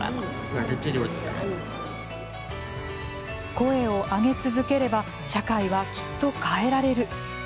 声を上げ続ければ社会はきっと変えられる。